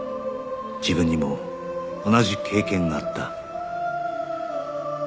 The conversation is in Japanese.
自分にも同じ経験があった